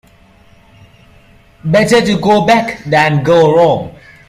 Better to go back than go wrong.